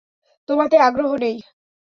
তোমাতে আগ্রহ নেই।